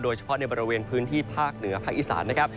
โดยเฉพาะในบริเวณพื้นที่ภาคเหนือที่ศานนะครับ